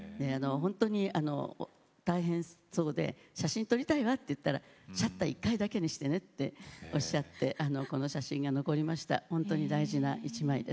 本当に大変そうで写真を撮りたいわと言ったらシャッター１回だけにしてねとおっしゃってこの写真が残りました。